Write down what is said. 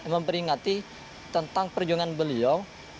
memperingati tentang perjuangan beliau